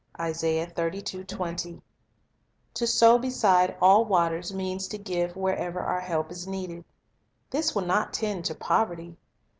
4 To sow beside all waters means to give wherever our help is needed. This will not tend to poverty.